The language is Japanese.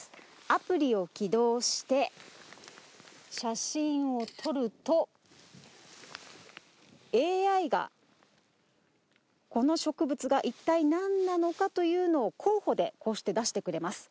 アプリを起動して、写真を撮ると、ＡＩが、この植物が一体なんなのかというのを、候補でこうして出してくれます。